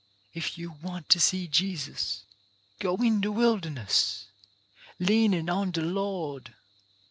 If yer want to see Jesus, Go in de wilderness Leanin' on de Lord.